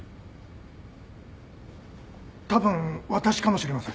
たぶん私かもしれません。